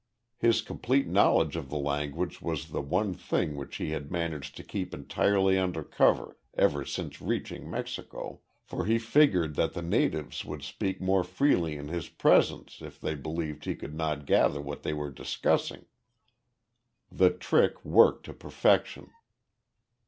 His complete knowledge of the language was the one thing which he had managed to keep entirely under cover ever since reaching Mexico, for he figured that the natives would speak more freely in his presence if they believed he could not gather what they were discussing. The trick worked to perfection.